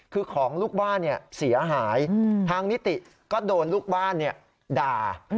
คือของลูกบ้านเสียหายทางนิติก็โดนลูกบ้านด่า